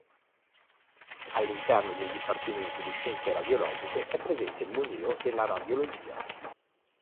All'interno del dipartimento di scienze radiologiche è presente il Museo della radiologia.